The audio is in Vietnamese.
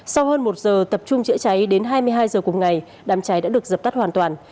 sau hơn một giờ tập trung chữa cháy đến hai mươi hai giờ cùng ngày đám cháy đã được dập tắt hoàn toàn